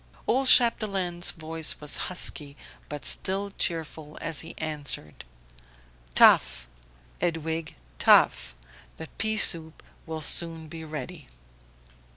Old Chapdelaine's voice was husky but still cheerful as he answered: "Tough! Edwige, tough! The pea soup will soon be ready."